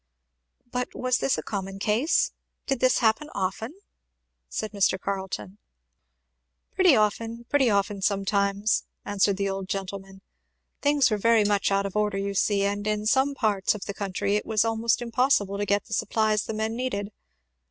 "But was this a common case? did this happen often?" said Mr. Carleton. "Pretty often pretty often, sometimes," answered the old gentleman. "Things were very much out of order, you see, and in some parts of the country it was almost impossible to get the supplies the men needed.